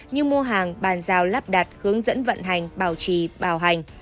như mua hàng bàn giao lắp đặt hướng dẫn vận hành bảo trì bảo hành